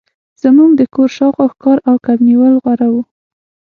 زموږ د کور شاوخوا ښکار او کب نیول غوره وو